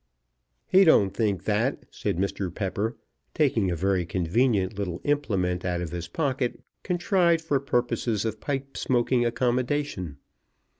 "He don't think that," said Mr. Pepper, taking a very convenient little implement out of his pocket, contrived for purposes of pipe smoking accommodation.